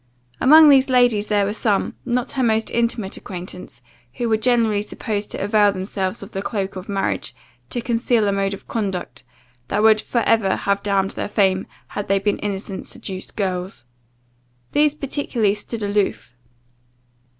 Among these ladies there were some, not her most intimate acquaintance, who were generally supposed to avail themselves of the cloke of marriage, to conceal a mode of conduct, that would for ever have damned their fame, had they been innocent, seduced girls. These particularly stood aloof.